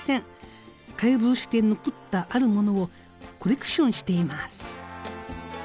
解剖して残ったあるものをコレクションしています。